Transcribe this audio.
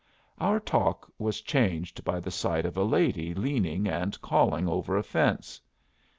Our talk was changed by the sight of a lady leaning and calling over a fence.